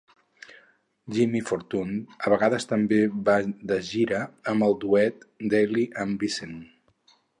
Jimmy Fortune a vegades també va de gira amb el duet "Dailey and Vincent".